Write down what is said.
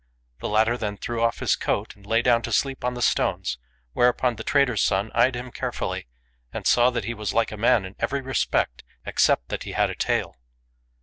The latter then threw off his coat, and lay down to sleep on the stones ; whereupon the trader's son eyed him care fully, and saw that he was like a man in every respect except that he had a tail.